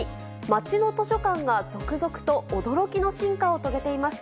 街の図書館が続々と驚きの進化を遂げています。